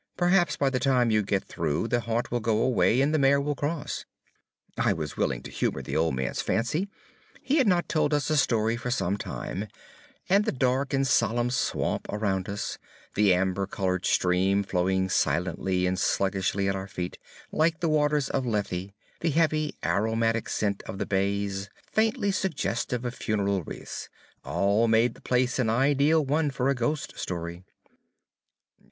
"Perhaps, by the time you get through, the haunt will go away and the mare will cross." I was willing to humor the old man's fancy. He had not told us a story for some time; and the dark and solemn swamp around us; the amber colored stream flowing silently and sluggishly at our feet, like the waters of Lethe; the heavy, aromatic scent of the bays, faintly suggestive of funeral wreaths, all made the place an ideal one for a ghost story.